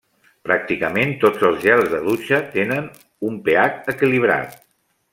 Pràcticament tots els gels de dutxa tenen un pH equilibrat.